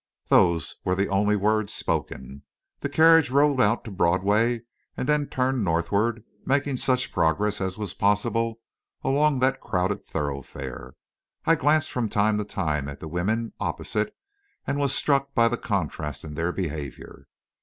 Those were the only words spoken. The carriage rolled out to Broadway and then turned northward, making such progress as was possible along that crowded thoroughfare. I glanced from time to time at the women opposite, and was struck by the contrast in their behaviour.